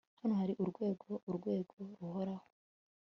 hano hari urwego, urwego ruhoraho